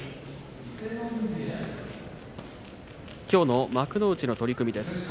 きょうの幕内の取組です。